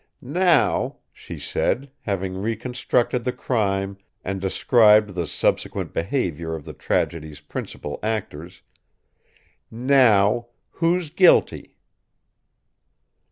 "Now," she said, having reconstructed the crime and described the subsequent behaviour of the tragedy's principal actors; "now who's guilty?"